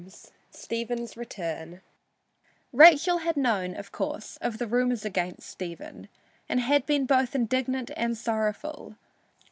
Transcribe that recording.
IV STEPHEN'S RETURN Rachel had known, of course, of the rumors against Stephen, and had been both indignant and sorrowful.